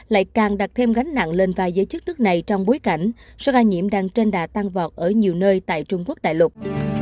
lại càng đặt thêm gánh nặng lên vai giới chức nước này trong bối cảnh số ca nhiễm đang trên đà tăng vọt ở nhiều nơi tại trung quốc đại lục